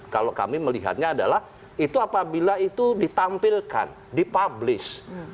kalau kami melihatnya adalah itu apabila itu ditampilkan dipublish